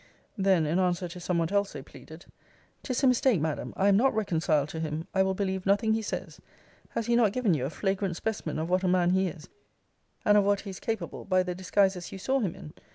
Then, in answer to somewhat else they pleaded ''Tis a mistake, Madam; I am not reconciled to him, I will believe nothing he says. Has he not given you a flagrant specimen of what a man he is, and of what his is capable, by the disguises you saw him in?